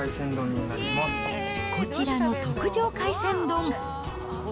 こちらの特上海鮮丼。